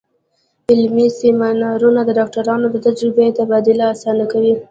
علمي سیمینارونه د ډاکټرانو د تجربې تبادله اسانه کوي.